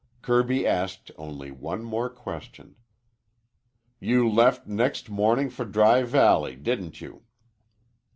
Kirby asked only one more question. "You left next mornin' for Dry Valley, didn't you?"